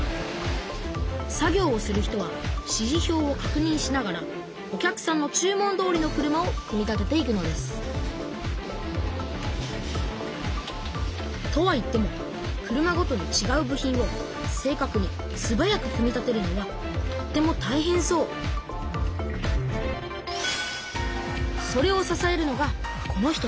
作業をする人は指示票をかくにんしながらお客さんの注文どおりの車を組み立てていくのですとはいっても車ごとにちがう部品を正かくにすばやく組み立てるのはとってもたいへんそうそれをささえるのがこの人たち。